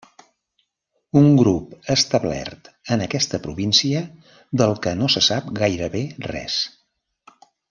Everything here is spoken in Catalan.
Un grup establert en aquesta província del que no se sap gairebé res.